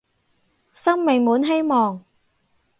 生命滿希望